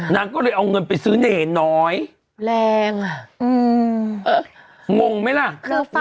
นางก็เลยเอาเงินไปซื้อนหน่อยแรงล่ะอืมเออ